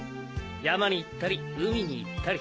山に行ったり海に行ったり。